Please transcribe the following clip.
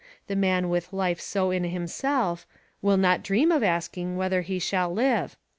The man with life so in himself, will not dream of asking whether he shall live.